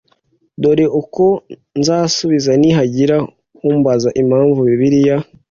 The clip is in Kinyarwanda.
Dore Uko Nzasubiza Nihagira Umbaza Impamvu Bibiliya